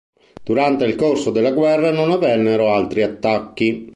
Durante il corso della guerra non avvennero altri attacchi.